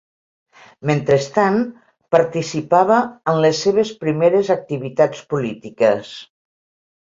Mentrestant, participava en les seves primeres activitats polítiques.